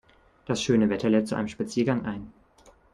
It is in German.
Das schöne Wetter lädt zu einem Spaziergang ein.